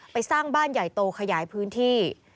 สร้างบ้านใหญ่โตขยายพื้นที่